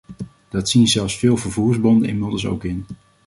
Dat zien zelfs veel vervoersbonden inmiddels ook in.